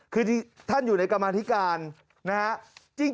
คือท่านอยู่ในกรรมาธิการนะฮะ